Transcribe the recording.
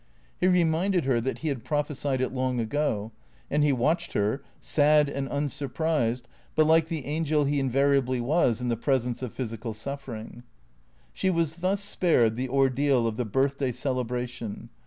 He reminded her that he had prophesied it long ago; and he watched her, sad and unsurprised, but like the angel he invariably was in the presence of physical suffering. She was thus spared the ordeal of the birthday celebration.